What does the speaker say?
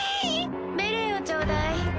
ベレーをちょうだい。